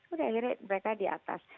udah akhirnya mereka di atas